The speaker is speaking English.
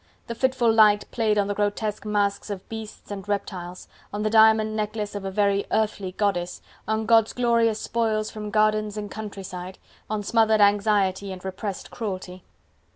The fitful light played on the grotesque masques of beasts and reptiles, on the diamond necklace of a very earthly goddess, on God's glorious spoils from gardens and country side, on smothered anxiety and repressed cruelty.